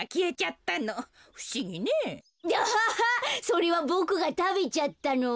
それはボクがたべちゃったの。